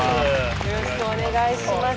よろしくお願いします